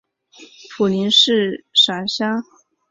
普宁市辖乡。